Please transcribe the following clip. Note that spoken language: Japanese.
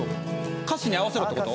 歌詞に合わせろってこと？